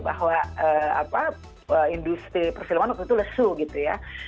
bahwa industri perfilman waktu itu lesu gitu ya